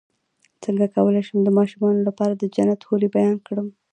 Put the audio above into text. څنګه کولی شم د ماشومانو لپاره د جنت حورې بیان کړم